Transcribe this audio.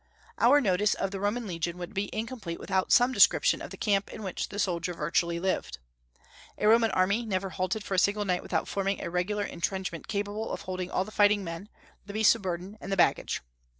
Our notice of the Roman legion would be incomplete without some description of the camp in which the soldier virtually lived. A Roman army never halted for a single night without forming a regular intrenchment capable of holding all the fighting men, the beasts of burden, and the baggage.